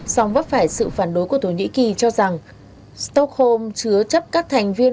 song vấp phải sự phản đối của thổ nhĩ kỳ cho rằng stockholm chứa chấp các thành viên